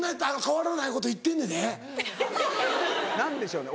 何でしょうね